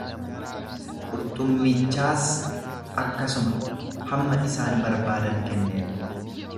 Qurxummichaas akkasuma hamma isaan barbaadan kenneef.